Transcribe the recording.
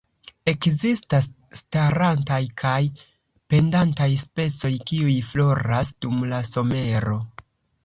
Ekzistas starantaj kaj pendantaj specoj, kiuj floras dum la somero.